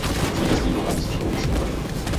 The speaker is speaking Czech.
Zemědělství bylo hlavní složkou místní ekonomiky.